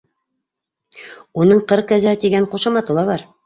Уның «Ҡыр кәзәһе» тигән ҡушаматы ла бар.